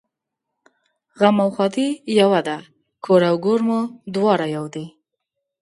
غم او ښادي یوه ده کور او ګور مو دواړه یو دي